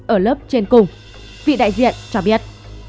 ở lớp trên cùng vị đại diện cho biết